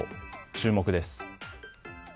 注目です。